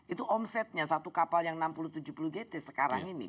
itu omsetnya satu kapal yang enam puluh tujuh puluh gt sekarang ini